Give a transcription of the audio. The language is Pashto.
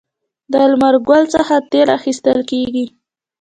د لمر ګل څخه تیل ایستل کیږي.